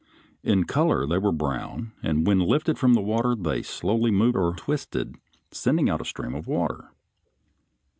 In color they were brown, and when lifted from the water they slowly moved or twisted, sending out a stream of water.